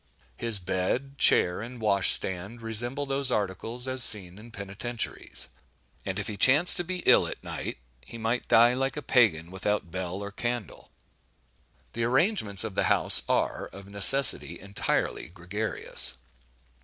His bed, chair, and wash stand, resemble those articles as seen in penitentiaries; and if he chance to be ill at night, he might die like a Pagan, "without bell or candle." The arrangements of the house are, of necessity, entirely gregarious.